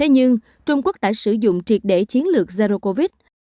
nhưng trung quốc đã sử dụng triệt để chiến lược zaro covid